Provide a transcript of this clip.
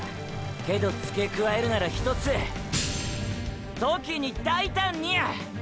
けどつけ加えるならひとつーー“時に大胆に”や！！